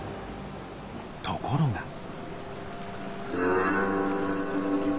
ところが。